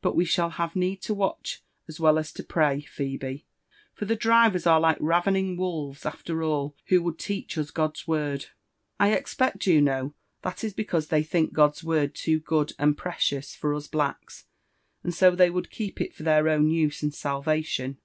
but we shall hare need to watch as (well as to pray, Phebe, for the drivers are like ravening wolves alter all who would teach us God's word*" I expect, Juno, that is because they think God'a word too good and precious for us blacks, and 90 they would keep it for their own use and salvation.